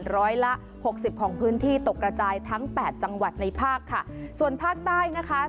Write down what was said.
ร้อยละหกสิบของพื้นที่ตกกระจายทั้งแปดจังหวัดในภาคค่ะส่วนภาคใต้นะคะ